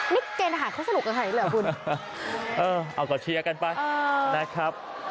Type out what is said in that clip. นี่เกณฑ์อาหารเข้าสนุกกันไงเหรอคุณเออเอาก็เชียร์กันไปนะครับ